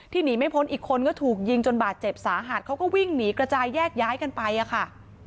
หนีไม่พ้นอีกคนก็ถูกยิงจนบาดเจ็บสาหัสเขาก็วิ่งหนีกระจายแยกย้ายกันไปอะค่ะ